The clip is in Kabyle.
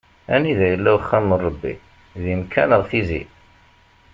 Anida yella uxxam n Ṛebbi, di Mekka neɣ Tizi?